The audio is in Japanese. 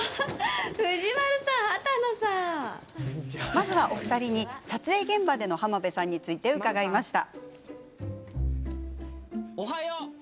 まずはお二人に、撮影現場での浜辺さんについて伺いました。